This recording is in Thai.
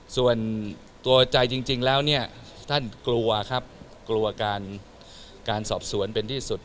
ส่วนตัวใจจริงแล้วเนี่ยท่านกลัวครับกลัวการสอบสวนเป็นที่สุด